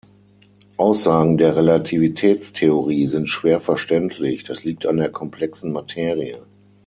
Aussagen der Relativitätstheorie sind schwer verständlich, das liegt an der komplexen Materie.